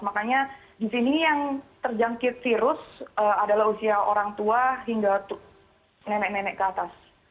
makanya di sini yang terjangkit virus adalah usia orang tua hingga nenek nenek ke atas